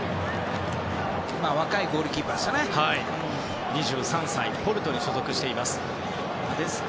若いゴールキーパーですよね。